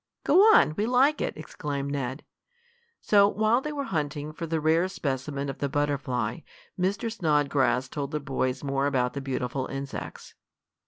"Go on, we like it!" exclaimed Ned, so while they were hunting for the rare specimen of the butterfly, Mr. Snodgrass told the boys more about the beautiful insects.